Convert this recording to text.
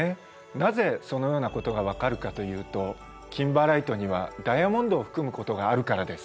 なぜそのようなことが分かるかというとキンバーライトにはダイヤモンドを含むことがあるからです。